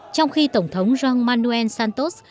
trong khi tổng thống juan manuel santos